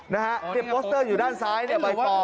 นะฮะเตรียมโปสเตอร์อยู่ด้านซ้ายเนี่ยใบปอ